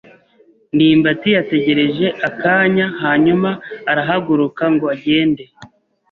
ndimbati yategereje akanya hanyuma arahaguruka ngo agende.